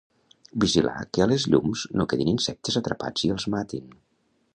Vigilar que a les llums no quedin insectes atrapats i els matin